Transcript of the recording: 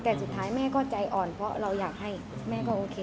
แต่สุดท้ายแม่ก็ใจอ่อนเพราะเราอยากให้แม่ก็โอเค